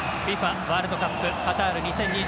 ＦＩＦＡワールドカップカタール２０２２１